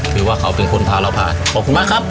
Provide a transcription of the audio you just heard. คือว่าเขาเป็นคนพาเราพาขอบคุณมากครับ